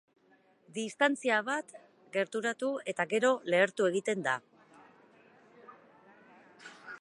Distantzia bat gerturatu eta gero lehertu egiten da.